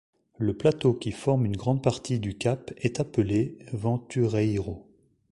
Le plateau qui forme une grande partie du cap est appelé Ventureiro.